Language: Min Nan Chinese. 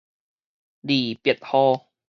離別雨